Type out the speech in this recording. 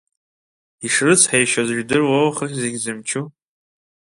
Ишрыцҳаишьоз жәдыруоу хыхь Зегьзымчу!